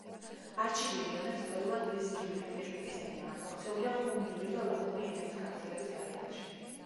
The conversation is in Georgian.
არჩიბული ენა ისტორიულად ლეზგიური ქვეჯგუფის ენაა, მოქცეულია ხუნძური და ლაკური ენების გავრცელების არეალში.